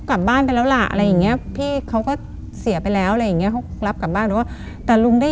เขาก็กลับบ้านไปแล้วล่ะอะไรอังนี้